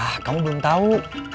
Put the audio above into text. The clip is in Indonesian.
ah kamu belum tahu